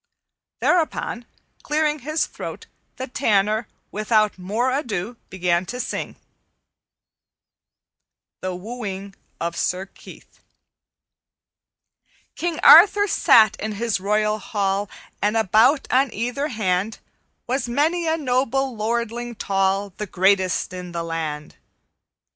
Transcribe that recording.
Thereupon, clearing his throat, the Tanner, without more ado, began to sing: THE WOOING OF SIR KEITH "_King Arthur sat in his royal hall, And about on either hand Was many a noble lordling tall, The greatest in the land.